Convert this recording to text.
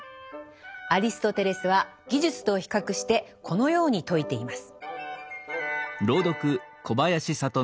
アリストテレスは技術と比較してこのように説いています。